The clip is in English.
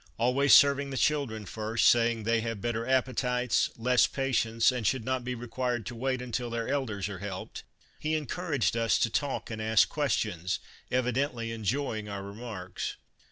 Always serving the children first, saying they have better appetites, less patience, and should not be required to wait until their elders are helped, he encouraged us to talk and ask questions, evidently enjoying our remarks.